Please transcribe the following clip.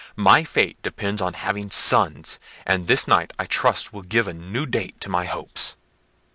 My fate depends on having sons, and this night I trust will give a new date to my hopes."